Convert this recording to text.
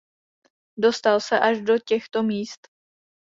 Dostal se až do těchto míst.